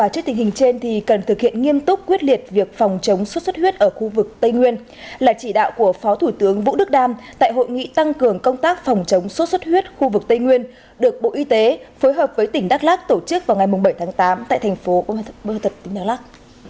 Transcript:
trước tình hình trên cần thực hiện nghiêm túc quyết liệt việc phòng chống xuất xuất huyết ở khu vực tây nguyên là chỉ đạo của phó thủ tướng vũ đức đam tại hội nghị tăng cường công tác phòng chống sốt xuất huyết khu vực tây nguyên được bộ y tế phối hợp với tỉnh đắk lắc tổ chức vào ngày bảy tháng tám tại thành phố bơ thật tỉnh đắk lắc